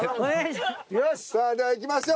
よし！